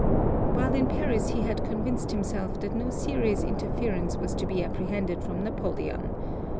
While in Paris he had convinced himself that no serious interference was to be apprehended from Napoleon.